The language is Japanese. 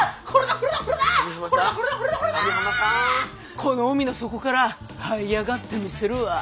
この海の底からはい上がってみせるわ。